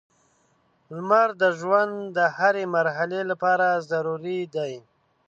• لمر د ژوند د هرې مرحلې لپاره ضروري دی.